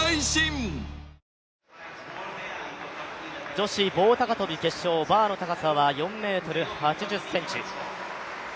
女子棒高跳決勝、バーの高さは４ｍ８０ｃｍ。